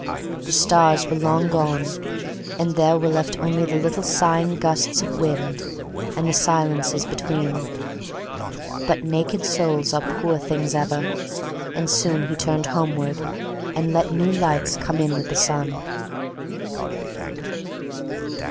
The stars were long gone and there were left only the little sighing gusts of wind and the silences between... but naked souls are poor things ever, and soon he turned homeward and let new lights come in with the sun.